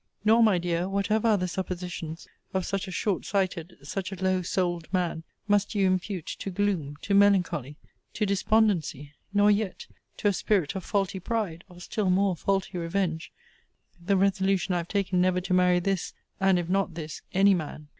Nor, my dear, whatever are the suppositions of such a short sighted, such a low souled man, must you impute to gloom, to melancholy, to despondency, nor yet to a spirit of faulty pride, or still more faulty revenge, the resolution I have taken never to marry this: and if not this, any man.